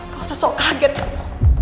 kau sesuai kaget kamu